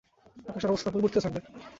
আকাশের অবস্থা অপরিবর্তিত থাকবে?